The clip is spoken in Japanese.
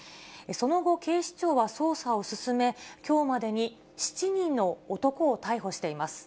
その後、警視庁は捜査を進め、きょうまでに７人の男を逮捕しています。